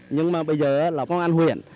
nhưng mà bây giờ là công an huyện